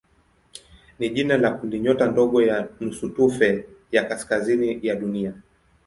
ni jina la kundinyota ndogo ya nusutufe ya kaskazini ya Dunia.